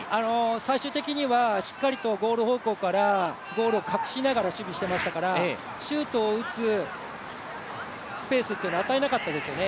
最終的にはしっかりとゴール方向から、ゴールを隠しながら守備していましたからシュートを打つスペースというのは与えなかったですよね。